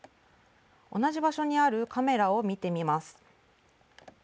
同じ場所にあるカメラを見てみます。